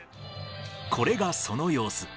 これがその様子。